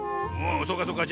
おそうかそうか。